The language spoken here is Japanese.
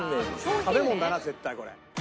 食べ物だな絶対これ。